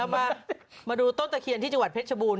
มาดูต้นตะเคียนที่จังหวัดเพชรชบูรณ